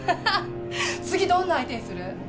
次どんな相手にする？